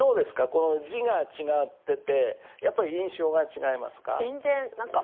この字が違っててやっぱり印象が違いますか？